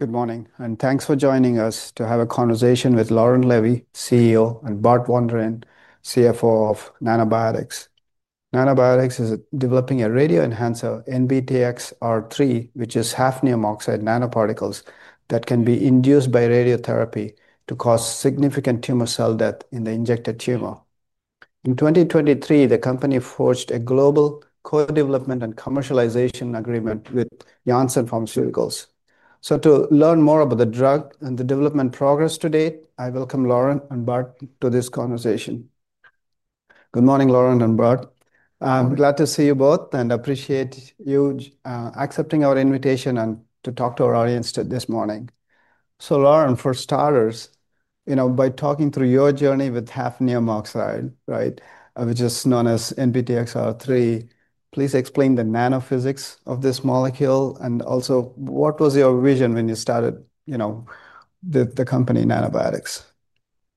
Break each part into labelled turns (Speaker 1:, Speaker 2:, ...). Speaker 1: Good morning, and thanks for joining us to have a conversation with Laurent Levy, CEO, and Bart Van Rhijn, CFO of Nanobiotix. Nanobiotix is developing a radioenhancer, NBTXR3, which is hafnium oxide nanoparticles that can be induced by radiotherapy to cause significant tumor cell death in the injected tumor. In 2023, the company forged a global co-development and commercialization agreement with Janssen Pharmaceuticals. To learn more about the drug and the development progress to date, I welcome Laurent and Bart to this conversation. Good morning, Laurent and Bart. I'm glad to see you both and appreciate you accepting our invitation to talk to our audience this morning. Laurent, for starters, by talking through your journey with hafnium oxide, which is known as NBTXR3, please explain the nanophysics of this molecule and also what was your vision when you started the company Nanobiotix.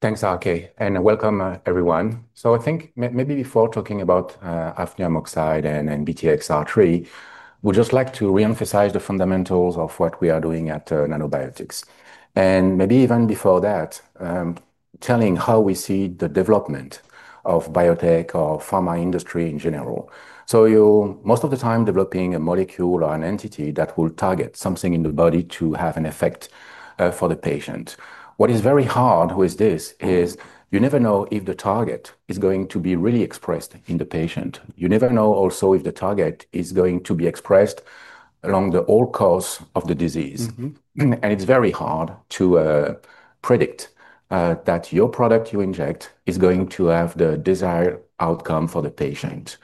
Speaker 2: Thanks, Aake, and welcome everyone. I think maybe before talking about hafnium oxide and NBTXR3, we'd just like to reemphasize the fundamentals of what we are doing at Nanobiotix. Maybe even before that, telling how we see the development of biotech or pharma industry in general. You're most of the time developing a molecule or an entity that will target something in the body to have an effect for the patient. What is very hard with this is you never know if the target is going to be really expressed in the patient. You never know also if the target is going to be expressed along the whole course of the disease. It's very hard to predict that your product you inject is going to have the desired outcome for the patient.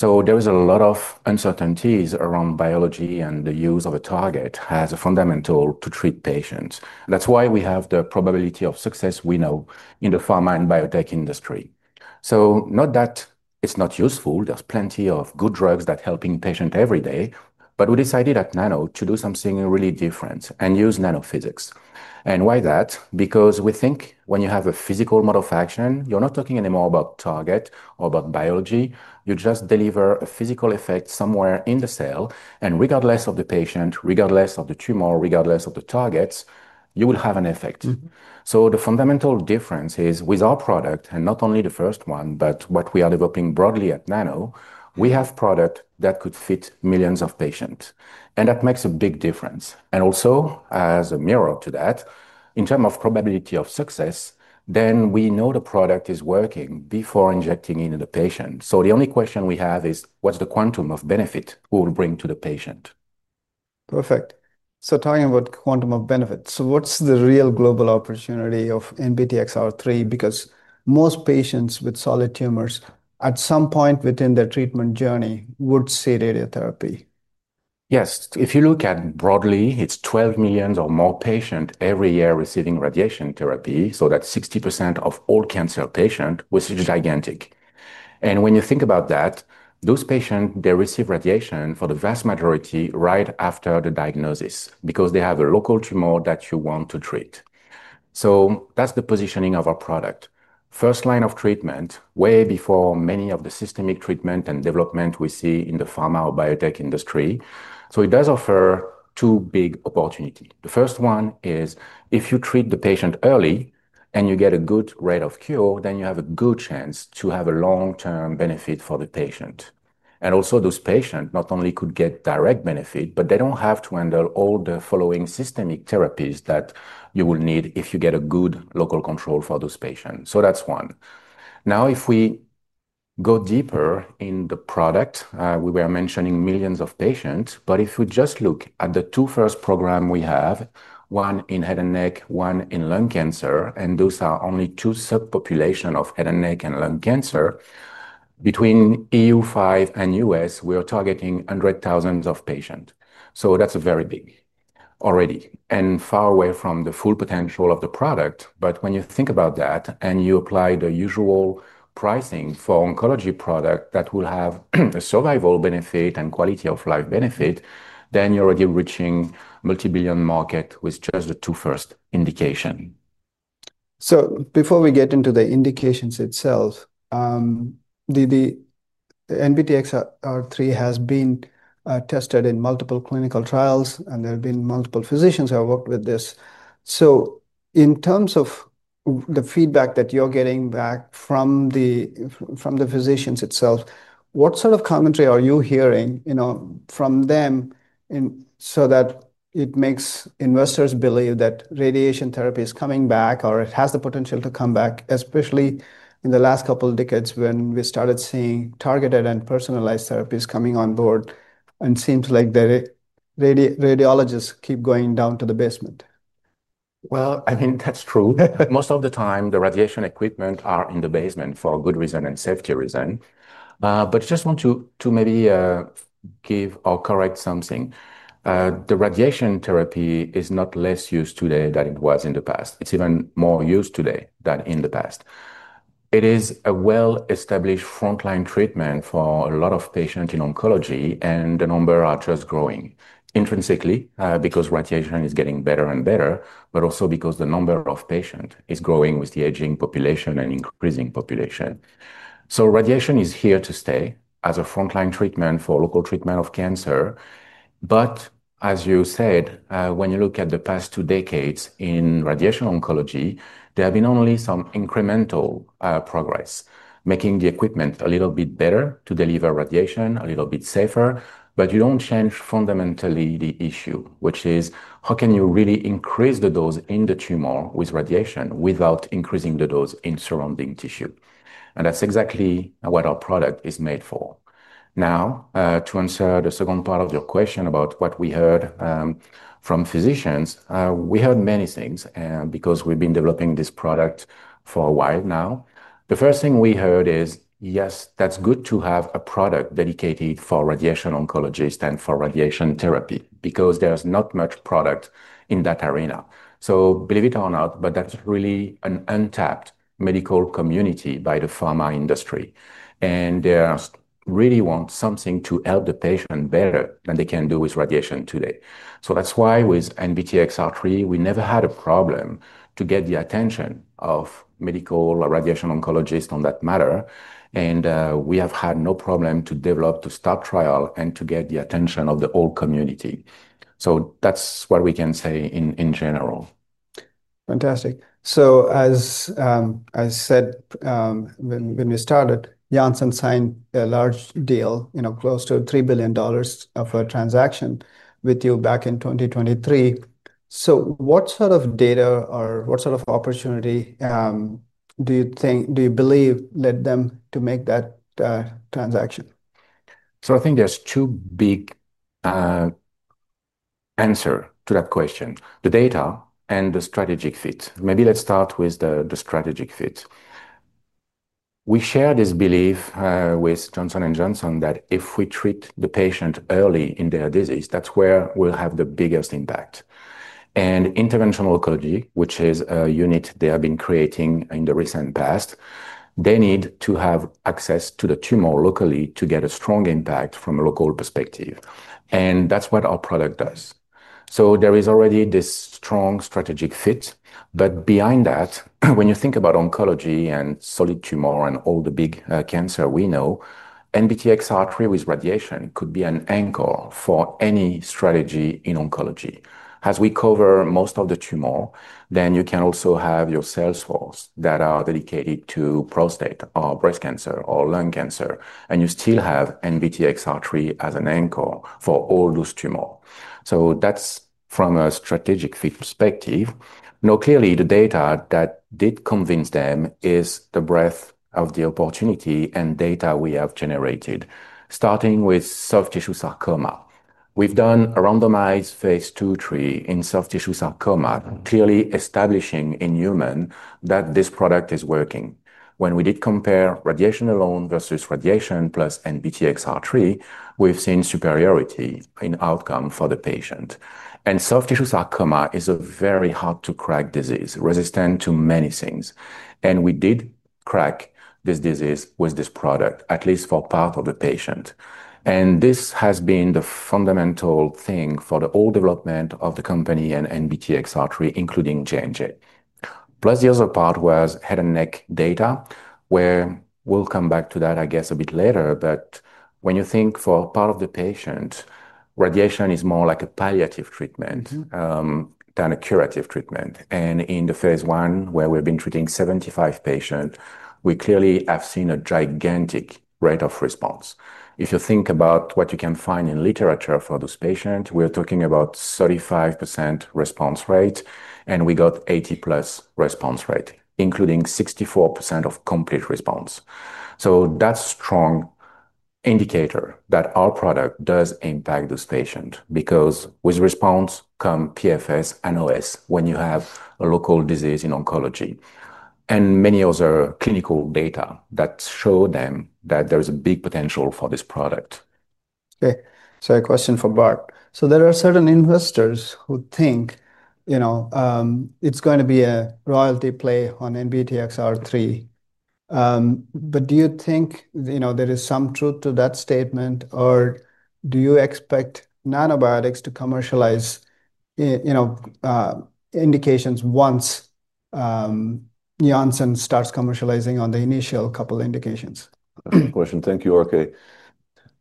Speaker 2: There are a lot of uncertainties around biology and the use of a target as a fundamental to treat patients. That's why we have the probability of success we know in the pharma and biotech industry. Not that it's not useful; there are plenty of good drugs that help patients every day. We decided at Nano to do something really different and use nanophysics. Why that? We think when you have a physical mode of action, you're not talking anymore about target or about biology. You just deliver a physical effect somewhere in the cell. Regardless of the patient, regardless of the tumor, regardless of the targets, you will have an effect. The fundamental difference is with our product, and not only the first one, but what we are developing broadly at Nano, we have a product that could fit millions of patients. That makes a big difference. Also, as a mirror to that, in terms of probability of success, we know the product is working before injecting it into the patient. The only question we have is what's the quantum of benefit we'll bring to the patient?
Speaker 1: Perfect. Talking about quantum of benefit, what's the real global opportunity of NBTXR3? Most patients with solid tumors at some point within their treatment journey would see radiotherapy.
Speaker 2: Yes, if you look at broadly, it's 12 million or more patients every year receiving radiation therapy. That's 60% of all cancer patients, which is gigantic. When you think about that, those patients, they receive radiation for the vast majority right after the diagnosis because they have a local tumor that you want to treat. That's the positioning of our product. First line of treatment, way before many of the systemic treatments and developments we see in the pharma or biotech industry. It does offer two big opportunities. The first one is if you treat the patient early and you get a good rate of cure, then you have a good chance to have a long-term benefit for the patient. Also, those patients not only could get direct benefit, but they don't have to handle all the following systemic therapies that you will need if you get a good local control for those patients. That's one. Now, if we go deeper in the product, we were mentioning millions of patients, but if we just look at the two first programs we have, one in head and neck, one in lung cancer, and those are only two subpopulations of head and neck and lung cancer. Between EU 5 and U.S., we are targeting hundreds of thousands of patients. That's very big already and far away from the full potential of the product. When you think about that and you apply the usual pricing for an oncology product that will have a survival benefit and quality of life benefit, then you're already reaching a multi-billion market with just the two first indications.
Speaker 1: Before we get into the indications themselves, the NBTXR3 has been tested in multiple clinical trials and there have been multiple physicians who have worked with this. In terms of the feedback that you're getting back from the physicians themselves, what sort of commentary are you hearing from them so that it makes investors believe that radiation therapy is coming back or it has the potential to come back, especially in the last couple of decades when we started seeing targeted and personalized therapies coming on board? It seems like the radiologists keep going down to the basement.
Speaker 2: I think that's true. Most of the time, the radiation equipment is in the basement for good reasons and safety reasons. I just want to maybe give or correct something. The radiation therapy is not less used today than it was in the past. It's even more used today than in the past. It is a well-established frontline treatment for a lot of patients in oncology, and the numbers are just growing intrinsically because radiation is getting better and better, but also because the number of patients is growing with the aging population and increasing population. Radiation is here to stay as a frontline treatment for local treatment of cancer. As you said, when you look at the past two decades in radiation oncology, there have been only some incremental progress, making the equipment a little bit better to deliver radiation, a little bit safer. You don't change fundamentally the issue, which is how can you really increase the dose in the tumor with radiation without increasing the dose in surrounding tissue? That's exactly what our product is made for. To answer the second part of your question about what we heard from physicians, we heard many things because we've been developing this product for a while now. The first thing we heard is, yes, that's good to have a product dedicated for radiation oncologists and for radiation therapy because there's not much product in that arena. Believe it or not, but that's really an untapped medical community by the pharma industry. They really want something to help the patient better than they can do with radiation today. That's why with NBTXR3, we never had a problem to get the attention of medical or radiation oncologists on that matter. We have had no problem to develop a subtrial and to get the attention of the whole community. That's what we can say in general.
Speaker 1: Fantastic. As I said when we started, Janssen Pharmaceuticals signed a large deal, you know, close to $3 billion of a transaction with you back in 2023. What sort of data or what sort of opportunity do you think, do you believe led them to make that transaction?
Speaker 2: I think there's two big answers to that question: the data and the strategic fit. Maybe let's start with the strategic fit. We share this belief with Johnson & Johnson that if we treat the patient early in their disease, that's where we'll have the biggest impact. Interventional oncology, which is a unit they have been creating in the recent past, needs to have access to the tumor locally to get a strong impact from a local perspective. That's what our product does. There is already this strong strategic fit. When you think about oncology and solid tumor and all the big cancers we know, NBTXR3 with radiation could be an anchor for any strategy in oncology. As we cover most of the tumor, you can also have your sales force that are dedicated to prostate or breast cancer or lung cancer, and you still have NBTXR3 as an anchor for all those tumors. That's from a strategic fit perspective. Now, clearly the data that did convince them is the breadth of the opportunity and data we have generated, starting with soft tissue sarcoma. We've done a randomized phase II treatment in soft tissue sarcoma, clearly establishing in humans that this product is working. When we did compare radiation alone versus radiation plus NBTXR3, we've seen superiority in outcome for the patient. Soft tissue sarcoma is a very hard-to-crack disease, resistant to many things. We did crack this disease with this product, at least for part of the patient. This has been the fundamental thing for the whole development of the company and NBTXR3, including Johnson & Johnson. The other part was head and neck data, where we'll come back to that, I guess, a bit later. When you think for part of the patient, radiation is more like a palliative treatment than a curative treatment. In the phase I, where we've been treating 75 patients, we clearly have seen a gigantic rate of response. If you think about what you can find in literature for those patients, we're talking about a 35% response rate, and we got an 80%+ response rate, including 64% of complete response. That's a strong indicator that our product does impact those patients because with response comes PFS and OS when you have a local disease in oncology. Many other clinical data show them that there's a big potential for this product.
Speaker 1: Okay, a question for Bart. There are certain investors who think, you know, it's going to be a royalty play on NBTXR3. Do you think, you know, there is some truth to that statement, or do you expect Nanobiotix to commercialize, you know, indications once Janssen starts commercializing on the initial couple of indications?
Speaker 3: Great question. Thank you, Aake.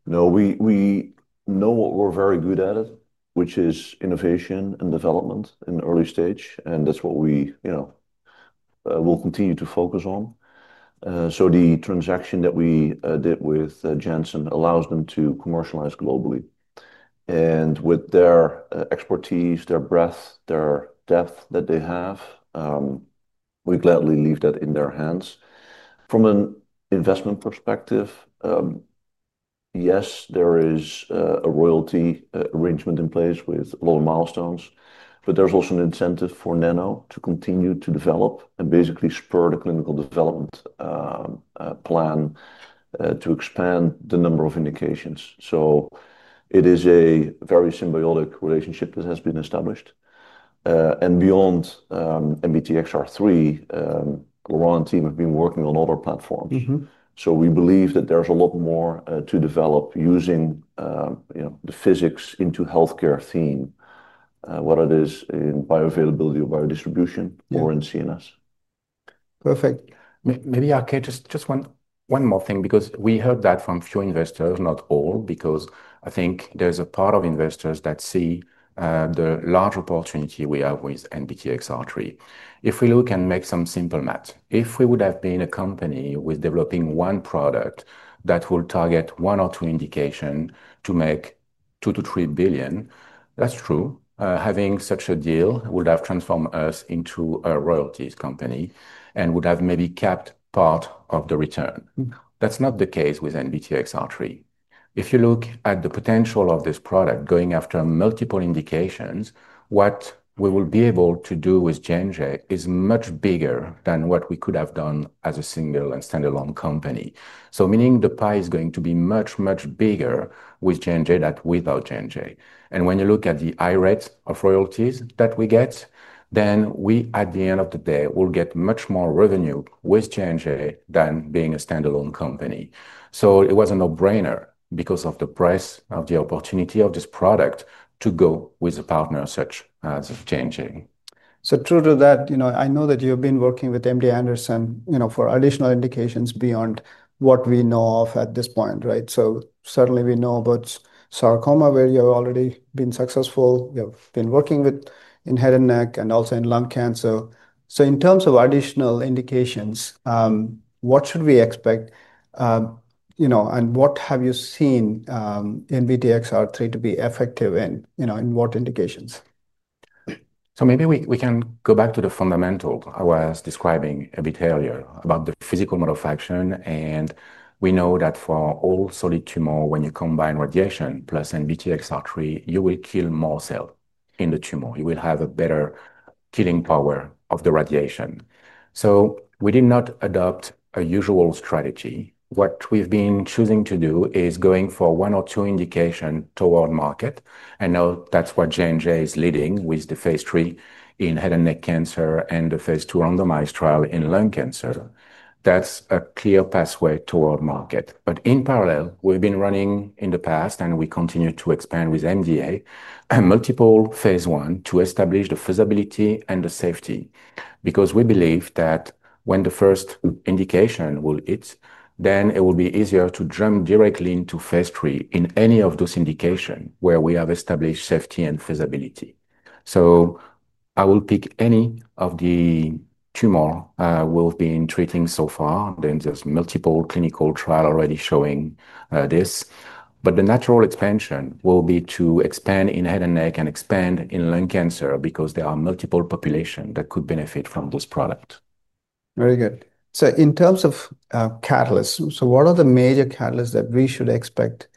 Speaker 3: No, we know what we're very good at, which is innovation and development in the early stage. That's what we, you know, will continue to focus on. The transaction that we did with Janssen Pharmaceuticals allows them to commercialize globally. With their expertise, their breadth, their depth that they have, we gladly leave that in their hands. From an investment perspective, yes, there is a royalty arrangement in place with a lot of milestones. There's also an incentive for Nanobiotix to continue to develop and basically spur the clinical development plan to expand the number of indications. It is a very symbiotic relationship that has been established. Beyond NBTXR3, Laurent Levy and the team have been working on other platforms. We believe that there's a lot more to develop using, you know, the physics into the healthcare theme, whether it is in bioavailability or biodistribution or in CNS.
Speaker 2: Perfect. Maybe, Aake, just one more thing, because we heard that from a few investors, not all, because I think there's a part of investors that see the large opportunity we have with NBTXR3. If we look and make some simple math, if we would have been a company developing one product that will target one or two indications to make $2 billion to $3 billion, that's true. Having such a deal would have transformed us into a royalties company and would have maybe capped part of the return. That's not the case with NBTXR3. If you look at the potential of this product going after multiple indications, what we will be able to do with Johnson & Johnson is much bigger than what we could have done as a single and standalone company. The pie is going to be much, much bigger with Johnson & Johnson than without Johnson & Johnson. When you look at the high rates of royalties that we get, then we, at the end of the day, will get much more revenue with Johnson & Johnson than being a standalone company. It was a no-brainer because of the price of the opportunity of this product to go with a partner such as Johnson & Johnson.
Speaker 1: True to that, I know that you've been working with MD Anderson for additional indications beyond what we know of at this point, right? Certainly, we know about sarcoma, where you've already been successful. You've been working with head and neck and also in lung cancer. In terms of additional indications, what should we expect, and what have you seen NBTXR3 to be effective in, in what indications?
Speaker 2: Maybe we can go back to the fundamental I was describing a bit earlier about the physical mode of action. We know that for all solid tumors, when you combine radiation plus NBTXR3, you will kill more cells in the tumor. You will have a better killing power of the radiation. We did not adopt a usual strategy. What we've been choosing to do is going for one or two indications toward the market. That's what Johnson & Johnson is leading with the phase III in head and neck cancer and the phase II randomized trial in lung cancer. That's a clear pathway toward the market. In parallel, we've been running in the past and we continue to expand with MD Anderson Cancer Center and multiple phase I to establish the feasibility and the safety. We believe that when the first indication hits it, then it will be easier to jump directly into phase III in any of those indications where we have established safety and feasibility. I will pick any of the tumors we've been treating so far. There are multiple clinical trials already showing this. The natural expansion will be to expand in head and neck and expand in lung cancer because there are multiple populations that could benefit from this product.
Speaker 1: Very good. In terms of catalysts, what are the major catalysts that we should expect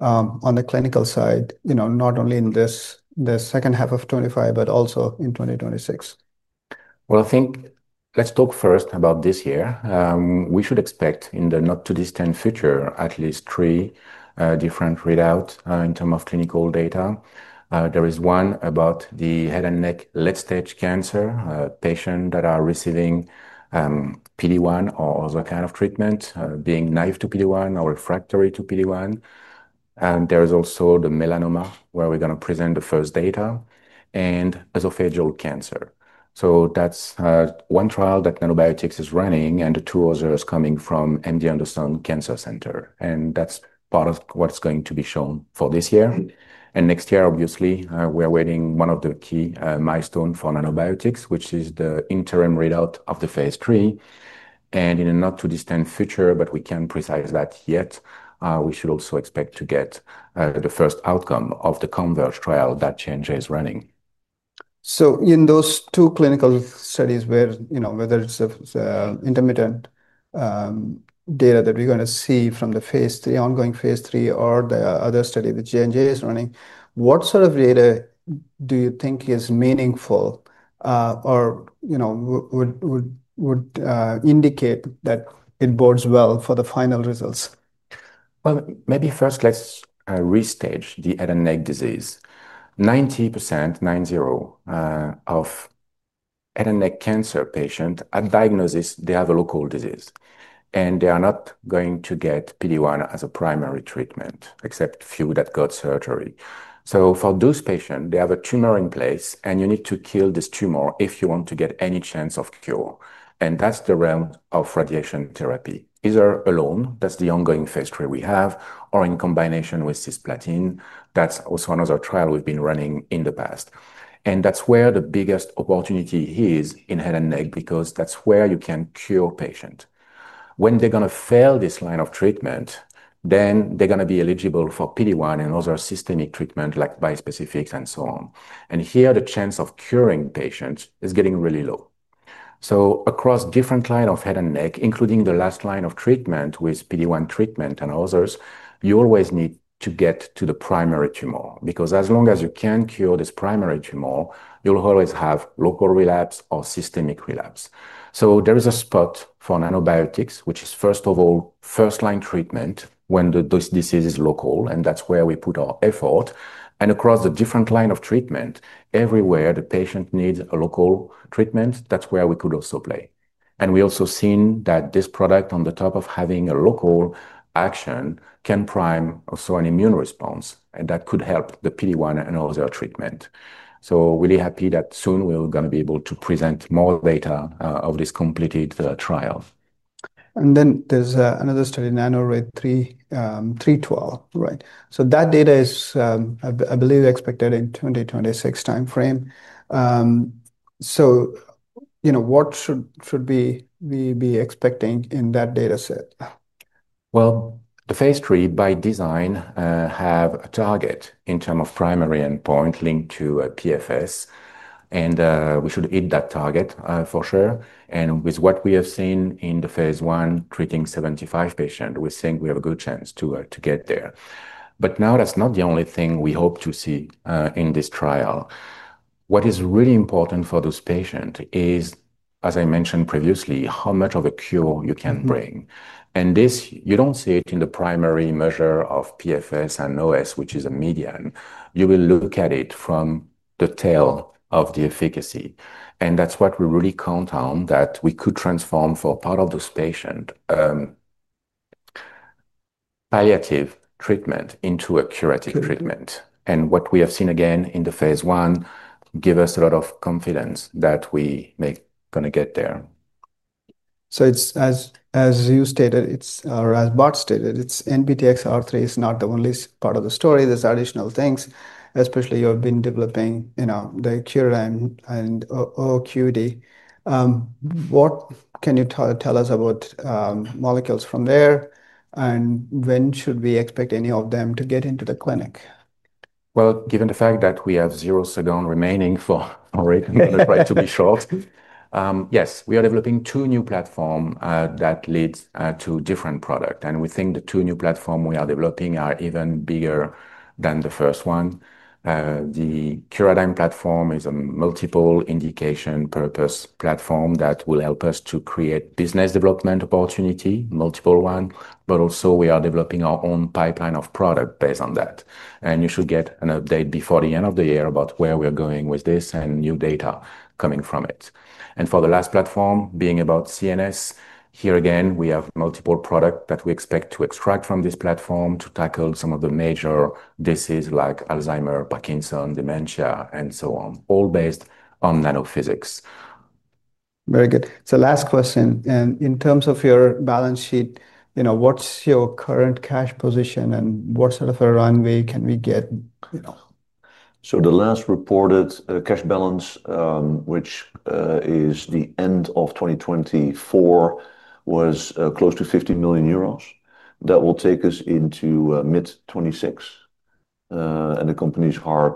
Speaker 1: on the clinical side, you know, not only in this second half of 2025, but also in 2026?
Speaker 2: I think let's talk first about this year. We should expect in the not-too-distant future at least three different readouts in terms of clinical data. There is one about the head and neck late-stage cancer patients that are receiving PD-1 or other kinds of treatments, being naive to PD-1 or refractory to PD-1. There is also the melanoma, where we're going to present the first data, and esophageal cancer. That's one trial that Nanobiotix is running and the two others coming from MD Anderson Cancer Center. That's part of what's going to be shown for this year. Next year, obviously, we are awaiting one of the key milestones for Nanobiotix, which is the interim readout of the phase III. In the not-too-distant future, but we can't precise that yet, we should also expect to get the first outcome of the converged trial that Janssen Pharmaceuticals is running.
Speaker 1: In those two clinical studies where, you know, whether it's interim data that we're going to see from the phase III, ongoing phase III, or the other study that Janssen Pharmaceuticals is running, what sort of data do you think is meaningful or, you know, would indicate that it bodes well for the final results?
Speaker 2: First, let's restage the head and neck disease. 90% of head and neck cancer patients at diagnosis have a local disease. They are not going to get PD-1 as a primary treatment, except a few that got surgery. For those patients, they have a tumor in place and you need to kill this tumor if you want to get any chance of cure. That's the realm of radiotherapy, either alone, which is the ongoing phase III we have, or in combination with cisplatin. That's also another trial we've been running in the past. That's where the biggest opportunity is in head and neck because that's where you can cure patients. When they're going to fail this line of treatment, they're going to be eligible for PD-1 and other systemic treatments like bispecifics and so on. Here, the chance of curing patients is getting really low. Across different lines of head and neck, including the last line of treatment with PD-1 treatment and others, you always need to get to the primary tumor because as long as you can cure this primary tumor, you'll always have local relapse or systemic relapse. There is a spot for Nanobiotix, which is, first of all, first-line treatment when the disease is local, and that's where we put our effort. Across the different lines of treatment, everywhere the patient needs a local treatment, that's where we could also play. We've also seen that this product, on top of having a local action, can prime also an immune response, and that could help the PD-1 and other treatments. Really happy that soon we're going to be able to present more data of this completed trial.
Speaker 1: There is another study, NanoRay 312, right? That data is, I believe, expected in the 2026 timeframe. What should we be expecting in that data set?
Speaker 2: The phase III, by design, has a target in terms of primary endpoint linked to PFS. We should hit that target for sure. With what we have seen in the phase I treating 75 patients, we think we have a good chance to get there. That is not the only thing we hope to see in this trial. What is really important for those patients is, as I mentioned previously, how much of a cure you can bring. This, you don't see in the primary measure of PFS and OS, which is a median. You will look at it from the tail of the efficacy. That is what we really count on, that we could transform for part of those patients palliative treatment into a curative treatment. What we have seen again in the phase I gives us a lot of confidence that we are going to get there.
Speaker 1: As you stated, or as Bart Van Rhijn stated, NBTXR3 is not the only part of the story. There's additional things, especially you have been developing, you know, the Curiline and Oocuity. What can you tell us about molecules from there? When should we expect any of them to get into the clinic?
Speaker 2: Given the fact that we have zero seconds remaining for our rating, I'm going to try to be short. Yes, we are developing two new platforms that lead to different products. We think the two new platforms we are developing are even bigger than the first one. The Curiline platform is a multiple indication purpose platform that will help us to create business development opportunities, multiple ones. We are also developing our own pipeline of products based on that. You should get an update before the end of the year about where we're going with this and new data coming from it. For the last platform, being about CNS, here again, we have multiple products that we expect to extract from this platform to tackle some of the major diseases like Alzheimer's, Parkinson's, dementia, and so on, all based on nanophysics.
Speaker 1: Very good. Last question. In terms of your balance sheet, what's your current cash position and what sort of a runway can we get?
Speaker 3: The last reported cash balance, which is the end of 2024, was close to €50 million. That will take us into mid-2026. The company's hard.